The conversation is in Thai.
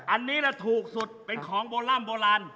อันนี้ล่ะถูกสุดเป็นของโบราณ